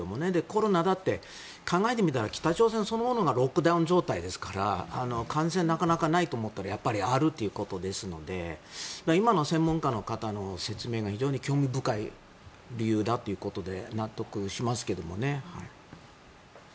コロナだって考えてみたら北朝鮮そのものがロックダウン状態ですから感染はなかなかないと思ったらやっぱりあるということですので今の専門家の方の説明が非常に興味深い理由だということで納得しますけどね。